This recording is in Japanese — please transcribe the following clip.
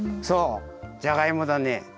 そうじゃがいもだね。